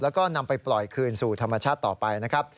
แล้วก็นำไปปล่อยคืนสู่ธรรมชาติต่อไปนะครับ